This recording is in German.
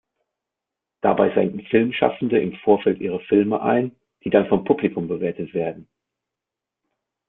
Dabei senden Filmschaffende im Vorfeld ihre Filme ein, die dann vom Publikum bewertet werden.